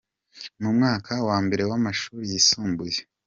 mu mwaka wa mbere w’amashuri yisumbuye.